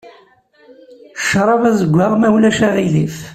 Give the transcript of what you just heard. Ccṛab azeggaɣ ma ulac aɣilif.